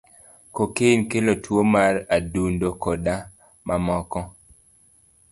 Cocaine kelo tuo mar adundo, koda mamoko.